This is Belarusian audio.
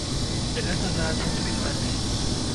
Гэта за адзін спектаклі.